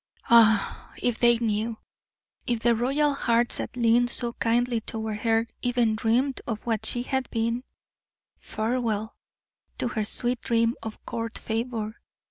Ah! if they knew if the royal hearts that leaned so kindly toward her even dreamed of what she had been farewell to her sweet dream of court favor.